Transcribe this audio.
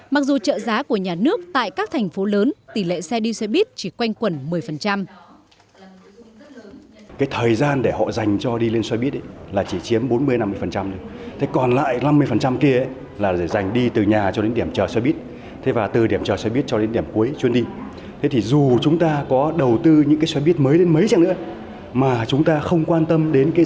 mặc dù trợ giá của nhà nước tại các thành phố lớn tỷ lệ xe đi xe buýt chỉ quanh quần một mươi